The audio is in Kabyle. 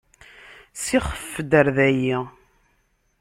Sixef-d ar dayi.